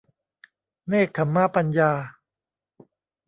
เนกขัมมะปัญญา